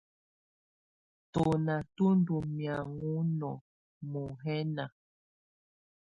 Tùnà tù ndù mianɔ̀á nɔ̀ muḥǝna.